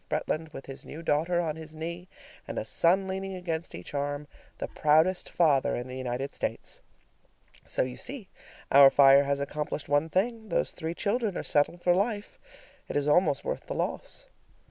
Bretland with his new daughter on his knee and a son leaning against each arm, the proudest father in the United States. So, you see, our fire has accomplished one thing: those three children are settled for life. It is almost worth the loss.